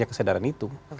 jadi saya sedaran itu